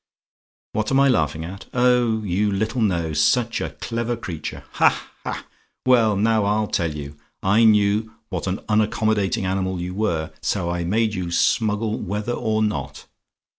"WHAT AM I LAUGHING AT? "Oh, you little know such a clever creature! Ha! ha! Well, now, I'll tell you. I knew what an unaccommodating animal you were, so I made you smuggle whether or not.